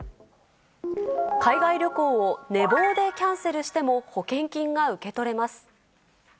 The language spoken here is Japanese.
海外旅行を寝坊でキャンセルしても保険金が受け取れます。